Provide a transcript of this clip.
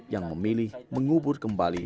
yang memilih mengubur kembali